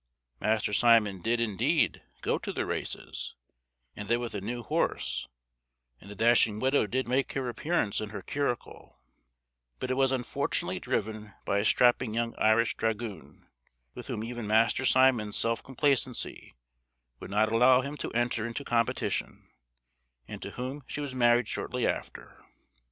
Master Simon did, indeed, go to the races, and that with a new horse; and the dashing widow did make her appearance in her curricle; but it was unfortunately driven by a strapping young Irish dragoon, with whom even Master Simon's self complacency would not allow him to enter into competition, and to whom she was married shortly after.